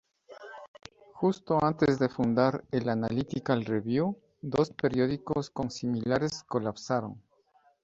Justo antes de fundar el "Analytical Review", dos periódicos con similares colapsaron.